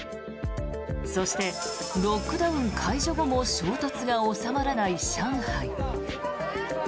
そして、ロックダウン解除後も衝突が収まらない上海。